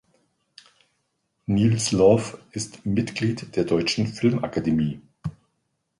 Nils Loof ist Mitglied der Deutschen Filmakademie.